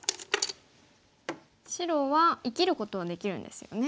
白は生きることはできるんですよね。